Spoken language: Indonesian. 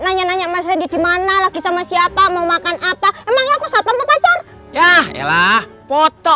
nanya nanya mas randy dimana lagi sama siapa mau makan apa emang aku sapa mau pacar yalah foto